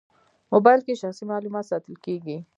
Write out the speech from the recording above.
موبایل کې شخصي معلومات ساتل کېږي.